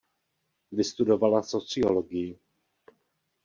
Vystudovala sociologii.